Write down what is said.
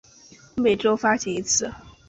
每周发刊一次。